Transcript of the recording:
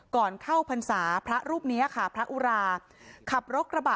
ก่อนเข้าพรรษาพระรูปเนี้ยค่ะพระอุราครับ๐๐๐